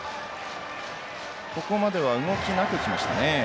ここまでは動きなくきましたね。